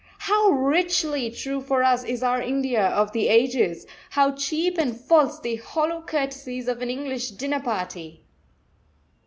How richly true for us is our India of the ages; how cheap and false the hollow courtesies of an English dinner party!